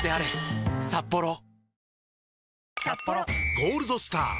「ゴールドスター」！